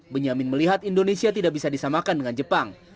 benyamin melihat indonesia tidak bisa disamakan dengan jepang